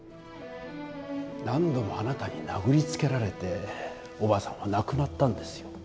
何度もあなたに殴りつけられておばあさんは亡くなったんですよ。